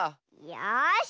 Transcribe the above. よし。